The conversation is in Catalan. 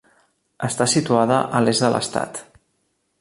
Està situada a l'est de l'estat.